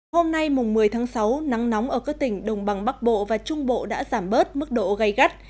hôm nay mùng một mươi tháng sáu nắng nóng ở các tỉnh đồng bằng bắc bộ và trung bộ đã giảm bớt mức độ gây gắt